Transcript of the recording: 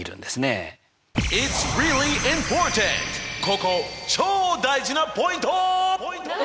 ここチョー大事なポイント！